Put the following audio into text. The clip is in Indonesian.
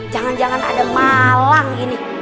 jangan jangan ada malang ini